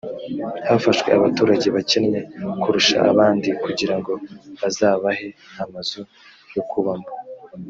hafashwe abaturage bakennye kurusha abanda kugirango bazabahe amazu yo kubamo